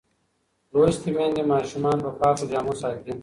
لوستې میندې ماشومان په پاکو جامو ساتي.